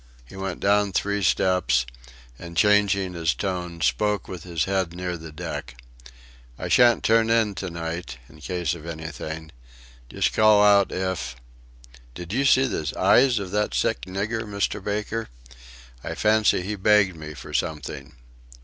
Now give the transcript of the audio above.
He went down three steps, and changing his tone, spoke with his head near the deck: "I shan't turn in to night, in case of anything; just call out if... Did you see the eyes of that sick nigger, Mr. Baker? I fancied he begged me for something.